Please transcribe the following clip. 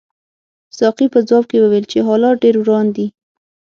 ساقي په ځواب کې وویل چې حالات ډېر وران دي.